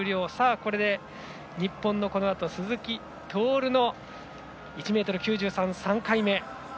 これで日本の鈴木徹の１ｍ９３の３回目。